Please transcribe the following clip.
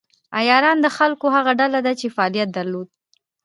عیاران د خلکو هغه ډله ده چې فعالیت درلود.